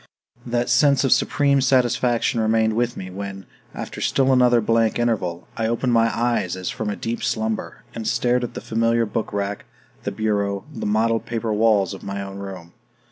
That sense of supreme satisfaction remained with me when, after still another blank interval, I opened my eyes as from a deep slumber, and stared at the familiar book rack, the bureau, the mottled paper walls of my own room.